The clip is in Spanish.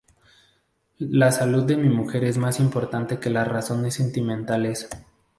La salud de mi mujer es más importante que las razones sentimentales.